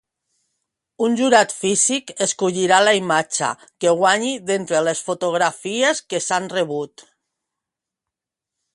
Un jurat físic escollirà la imatge que guanyi d'entre les fotografies que s'han rebut.